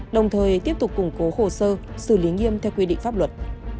đồng thời tiếp tục củng cố hồ sơ xử lý nghiêm theo quy định pháp luật